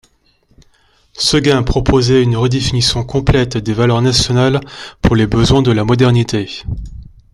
Séguin proposait une redéfinition complète des valeurs nationales pour les besoins de la modernité.